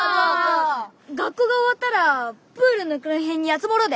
学校が終わったらプールの横の辺に集まろうで。